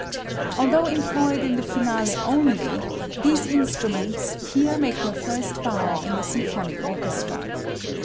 Although employed in the finale only, these instruments here make their first bow in the symphonic orchestra.